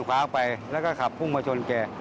แล้วแลกก็ขับพุ่งมาชนแก